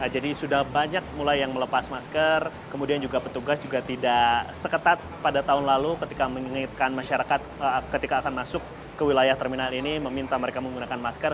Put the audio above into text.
jadi sudah banyak mulai yang melepas masker kemudian juga petugas juga tidak seketat pada tahun lalu ketika mengingatkan masyarakat ketika akan masuk ke wilayah terminal ini meminta mereka menggunakan masker